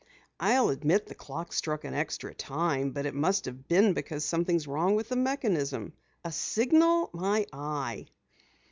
"I'll admit the clock struck an extra time, but it must have been because something is wrong with the mechanism. A signal, my eye!"